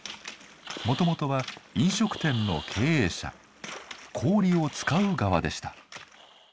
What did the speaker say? もともとは飲食店の経営者氷を使う側でした。